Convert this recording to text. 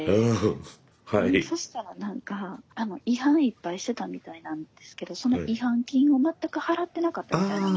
そしたら何か違反いっぱいしてたみたいなんですけどその違反金を全く払ってなかったみたいなんです。